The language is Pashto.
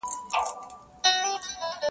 محتسب مي دي وهي په دُرو ارزي,